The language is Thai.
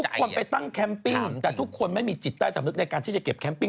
คนไปตั้งแคมปิ้งแต่ทุกคนไม่มีจิตใต้สำนึกในการที่จะเก็บแคมปิ้ง